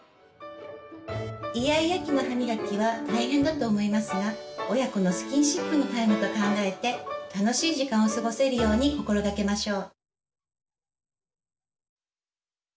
イヤイヤ期の歯みがきは大変だと思いますが親子のスキンシップのタイムと考えて楽しい時間を過ごせるように心がけましょう。